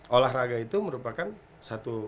olahraga itu merupakan satu